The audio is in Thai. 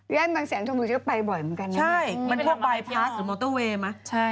ย่านบางแสนชนบุรีก็ไปบ่อยเหมือนกันใช่มันพอบายพลาสหรือมอเตอร์เวย์มั้ย